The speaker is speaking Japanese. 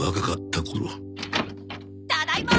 ただいま。